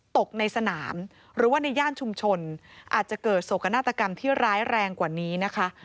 ตกในสนามหรือว่าในย่านชุมชนอาจจะเกิดโศกนาฏกรรมที่ร้ายแรงกว่านี้นะคะ